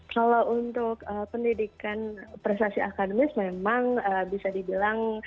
kalau untuk pendidikan prestasi akademis memang bisa dibilang